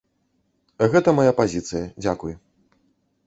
Гэта мая пазіцыя, дзякуй.